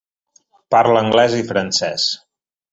Parla anglès i francès.